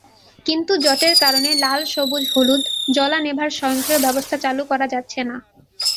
কিন্তু জটের কারণে লাল-সবুজ-হলুদ জ্বলা-নেভার স্বয়ংক্রিয় ব্যবস্থা চালু করা যাচ্ছে না।